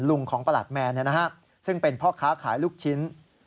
ของประหลัดแมนซึ่งเป็นพ่อค้าขายลูกชิ้น